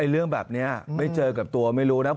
เรื่องแบบนี้ไม่เจอกับตัวไม่รู้นะ